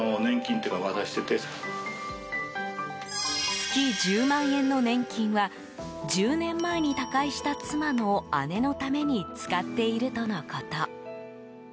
月１０万円の年金は１０年前に他界した妻の姉のために使っているとのこと。